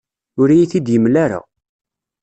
Ur iyi-t-id-yemla ara.